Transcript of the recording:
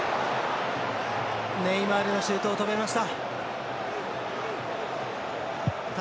ネイマールのシュートを止めました。